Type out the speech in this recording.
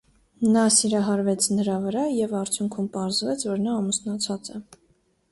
Նա սիրահարվեց նրա վրա, և արդյունքում պարզվեց որ նա ամուսնացած է։